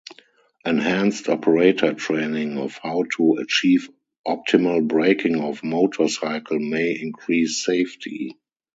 Enhanced operator training of how to achieve optimal breaking of motorcycle may increase safety.